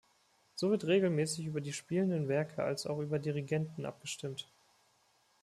So wird regelmäßig über die spielenden Werke als auch über Dirigenten abgestimmt.